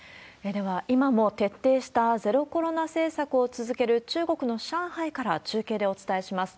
では、今も徹底したゼロコロナ政策を続ける、中国の上海から中継でお伝えします。